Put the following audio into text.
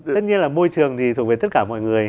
tất nhiên là môi trường thì thuộc về tất cả mọi người